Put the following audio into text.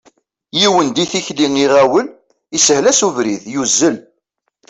Yiwen di tikli iɣawel, ishel-as ubrid, yuzzel.